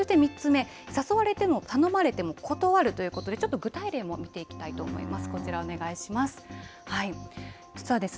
そして３つ目誘われても頼まれても断るということで具体例も見ていきたいと思います